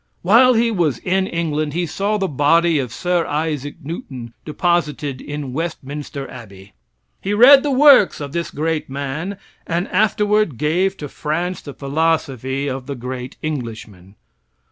While he was in England he saw the body of Sir Isaac Newton deposited in Westminster Abbey. He read the works of this great man and afterward gave to France the philosophy of the great Englishman.